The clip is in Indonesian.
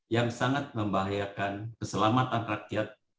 yang sangat membahayakan keselamatan rakyat